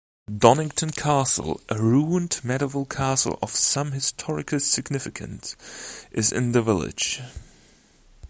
Donnington Castle, a ruined medieval castle of some historical significance, is in the village.